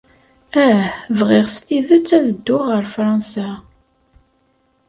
Ah, bɣiɣ s tidet ad dduɣ ɣer Fṛansa.